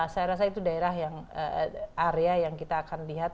saya rasa itu daerah yang area yang kita akan lihat